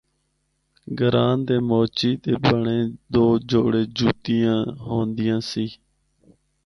گراں دے موچی دے بنڑے دو جوڑے جُتیاں ہوندیاں سی۔